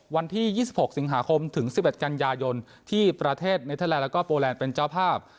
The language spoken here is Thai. วันที่๒๖สิงหาคมถึง๑๑กันยายนที่ประเทศเนเทอร์แลนดแล้วก็โปแลนด์เป็นเจ้าภาพ